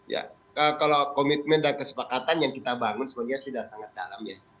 ya kalau komitmen dan kesepakatan yang kita bangun sebenarnya sudah sangat dalam ya